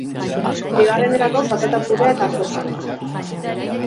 Bigarrenerako, patata-purea eta zopa.